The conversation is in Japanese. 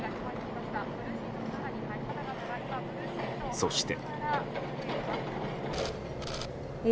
そして。